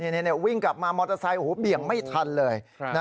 นี่วิ่งกลับมามอเตอร์ไซค์เบี่ยงไม่ทันเลย